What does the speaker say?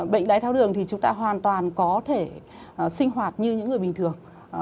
bệnh đái tháo đường thì chúng ta hoàn toàn có thể sinh hoạt như những người bình thường